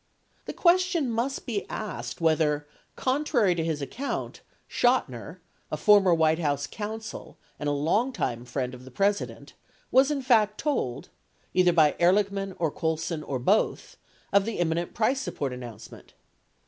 The question must be asked whether, contrary to his account, Chotiner, a former White House counsel and a longtime friend of the President, was in fact told — either by Ehrlichman or Colson or both — of the, imminent price support announcement.